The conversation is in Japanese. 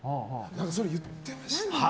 それ言ってましたね。